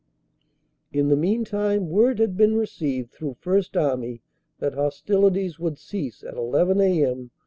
"In the meantime, word had been received through First Army that hostilities would cease at 1 1 a.m.